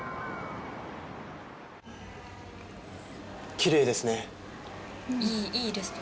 きれいですね。